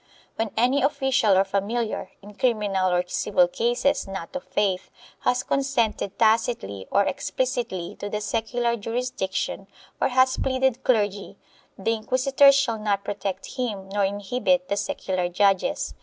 When any official or familiar, in criminal or civil cases not of faith, has con sented tacitly or explicitly to the secular jurisdiction or has pleaded clergy, the inquisitors shall not protect him nor inhibit the secular judges.